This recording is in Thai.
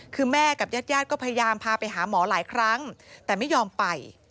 คือแม่กับญาติญาติก็พยายามพาไปหาหมอหลายครั้งแต่ไม่ยอมไป